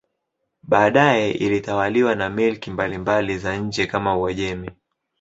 Baadaye ilitawaliwa na milki mbalimbali za nje kama Uajemi.